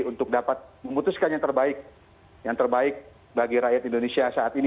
untuk dapat memutuskan yang terbaik yang terbaik bagi rakyat indonesia saat ini